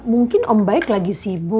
mungkin om baik lagi sibuk